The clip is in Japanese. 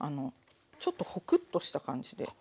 ちょっとホクッとした感じで。